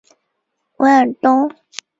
韦尔东。